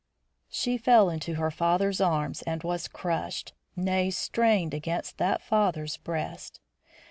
She fell into her father's arms and was crushed, nay, strained against that father's breast.